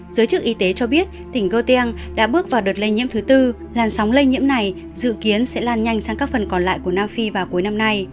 giới chức y tế cho biết tỉnh golten đã bước vào đợt lây nhiễm thứ tư làn sóng lây nhiễm này dự kiến sẽ lan nhanh sang các phần còn lại của nam phi vào cuối năm nay